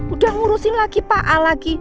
udah ngurusin lagi pak a lagi